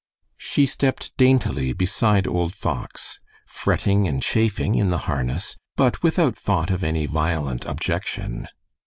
She stepped daintily beside old Fox, fretting and chafing in the harness, but without thought of any violent objection.